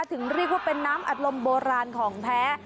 ถึงเรียกว่าเป็นน้ำอัดลมโบราณของแท้